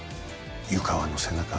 湯川の背中